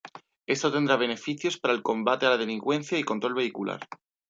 Esto tendrá beneficios para el combate a la delincuencia y control vehicular.